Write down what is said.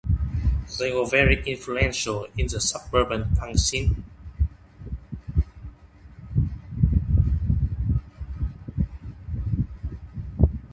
They were very influential in the suburban punk scene.